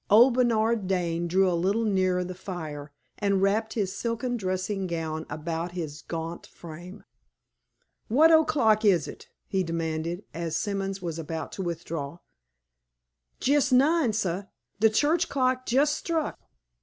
Old Bernard Dane drew a little nearer the fire, and wrapped his silken dressing gown about his gaunt frame. "What o'clock is it?" he demanded, as Simons was about to withdraw. "Jes' nine, sah. De church clock jes' struck."